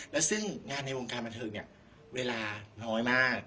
และซึ่งงานในวงการบันเทิงเนี่ยเวลาน้อยมาก